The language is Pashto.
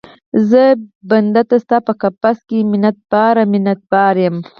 زه بندۍ ستا په قفس کې، منت باره، منت بار یم